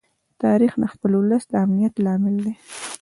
تاریخ د خپل ولس د امنیت لامل دی.